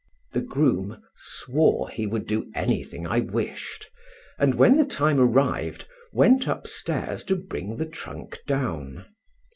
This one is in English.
The groom swore he would do anything I wished, and when the time arrived went upstairs to bring the trunk down.